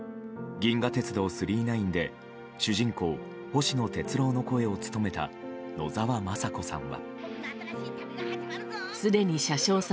「銀河鉄道９９９」で主人公・星野鉄郎の声を務めた野沢雅子さんは。